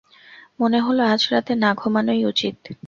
মনে হল, আজ রাতে না ঘুমানোই উচিত।